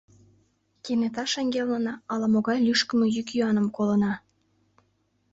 Кенета шеҥгелнына ала-могай лӱшкымӧ йӱк-йӱаным колына.